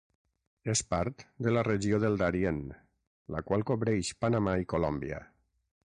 És part de la regió del Darién, la qual cobreix Panamà i Colòmbia.